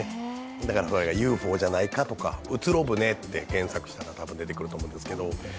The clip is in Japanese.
だから、ＵＦＯじゃないかとか「うつろぶね」って検索したら出てくると思うんですけど。